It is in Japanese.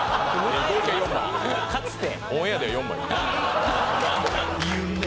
かつて。